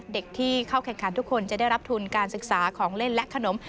เด็กที่เข้าแข่งขันทุกคนจะได้รับทุนการศึกษาของเล่นและขนม